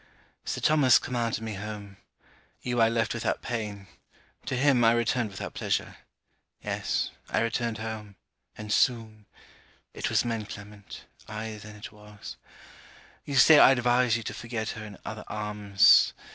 Sir Thomas commanded me home. You I left without pain. To him I returned without pleasure. Yes: I returned home and soon it was men, Clement ay then it was You say I advised you to forget her in other arms.